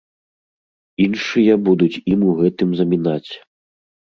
Іншыя будуць ім у гэтым замінаць.